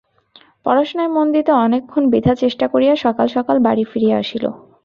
পড়াশুনায় মন দিতে অনেকক্ষণ বৃথা চেষ্টা করিয়া সকাল সকাল বাড়ি ফিরিয়া আসিল।